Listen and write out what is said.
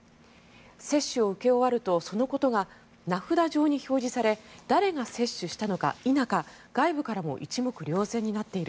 接種を受け終わるとそのことが名札上に表示され誰が接種したのか否か外部からも一目瞭然になっている。